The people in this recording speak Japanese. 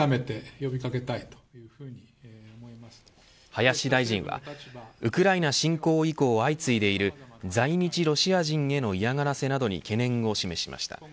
林大臣はウクライナ侵攻以降相次いでいる在日ロシア人への嫌がらせなどに懸念を示しました。